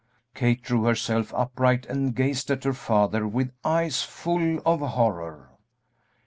Kate drew herself upright and gazed at her father with eyes full of horror.